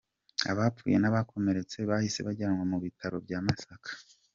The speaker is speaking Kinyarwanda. Abapfuye n’abakomeretse bahise bajyanwa mu bitaro bya Masaka.